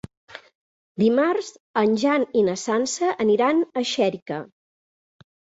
Dimarts en Jan i na Sança aniran a Xèrica.